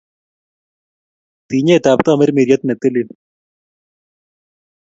Tinyet ab tamirmiriet ne tilil